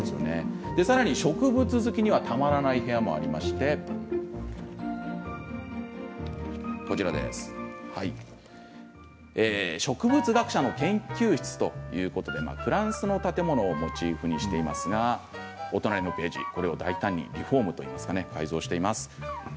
さらに植物好きにはたまらない部屋もありまして植物学者の研究室ということでフランスの建物をモチーフにしていますがお隣のページ、これを大胆にリフォームというか改造しています。